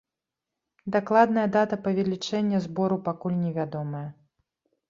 Дакладная дата павелічэння збору пакуль невядомая.